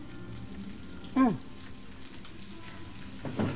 うん。